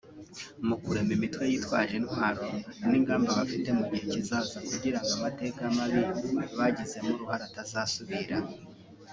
mu kurema imitwe yitwaje intwaro n’ingamba bafite mu gihe kizaza kugira ngo amateka mabi bagizemo uruhare atazasubira